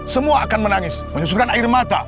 semua akan menangis menyusukan air mata